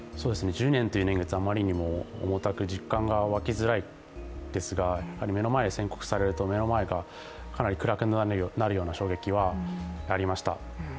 １０年という年月があまりにも重たく実感がわきづらいですが目の前で宣告されると目の前がかなり暗くなるような衝撃はありました。